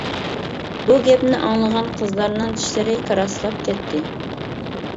بۇ گەپنى ئاڭلىغان قىزلارنىڭ چىشلىرى كاراسلاپ كەتتى.